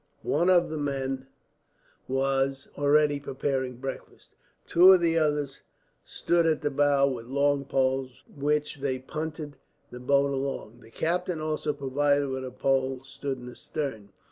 One of the men was already preparing breakfast. Two of the others stood at the bow with long poles, with which they punted the boat along. The captain, also provided with a pole, stood in the stern.